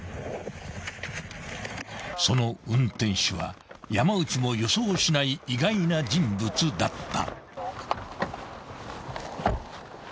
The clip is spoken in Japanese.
［その運転手は山内も予想しない意外な人物だった］